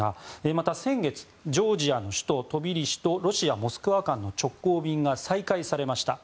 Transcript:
また先月、ジョージアの首都トビリシとロシア・モスクワ間の直行便が再開されました。